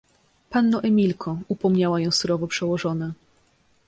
— Panno Emilko! — upomniała ją surowo przełożona.